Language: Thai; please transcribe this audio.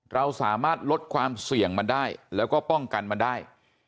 เราสามารถลดความเสี่ยงมันได้แล้วก็ป้องกันมันได้